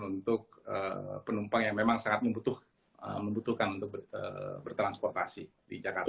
untuk penumpang yang memang sangat membutuhkan untuk bertransportasi di jakarta